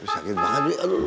sakit banget i aduh